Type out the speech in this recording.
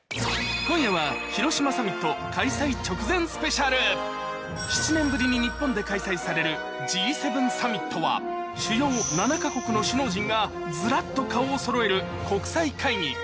今夜はされるＧ７サミットは主要７か国の首脳陣がずらっと顔をそろえる国際会議